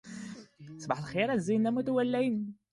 ⴰⵔ ⴱⴰⵀⵔⴰ ⵉⵜⵜⵅⵎⵎⴰⵎ ⵙ ⵖ ⴱⴰⴱⴰⵙ.